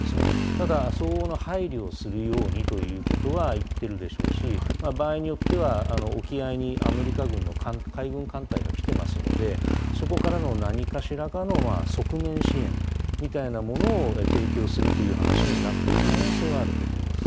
ただ相応の配慮をするようにということは言ってるでしょうし、場合によっては沖合にアメリカ軍の海軍艦隊が来ていますので、そこからの何かしらの側面支援みたいなものを提供するという話になっている可能性はあると思います。